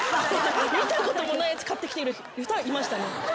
見たこともないやつ買ってきてる人はいましたね。